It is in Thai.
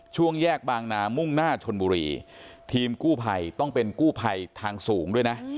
ช่วงแยกบางนามุ่งหน้าชนบุรีทีมกู้ภัยต้องเป็นกู้ภัยทางสูงด้วยนะ